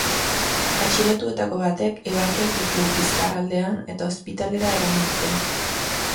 Atxilotuetako batek ebakiak ditu bizkar aldean eta ospitalera eraman dute.